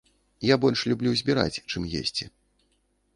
Я больш люблю збіраць, чым есці.